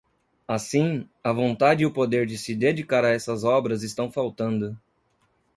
Assim, a vontade e o poder de se dedicar a essas obras estão faltando.